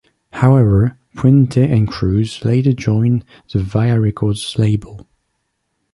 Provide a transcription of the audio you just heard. However, Puente and Cruz later joined the Vaya Records label.